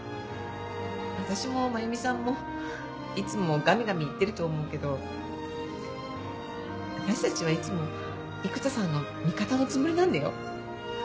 私も真由美さんもいつもがみがみ言ってると思うけど私たちはいつも育田さんの味方のつもりなんだよ。